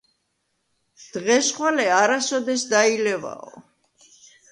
დღეს-ხვალე არასოდეს დაილევაო